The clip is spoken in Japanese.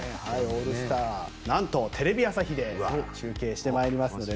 オールスターはなんとテレビ朝日で中継してまいりますので